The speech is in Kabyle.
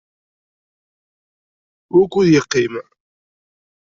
Wukud yeqqim?